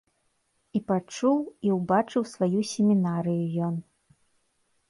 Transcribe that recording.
І пачуў, і ўбачыў сваю семінарыю ён.